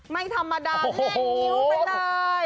ไม่ธรรมดาเล่นงิ้วไปเลย